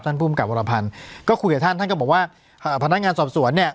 ภูมิกับวรพันธ์ก็คุยกับท่านท่านก็บอกว่าอ่าพนักงานสอบสวนเนี่ย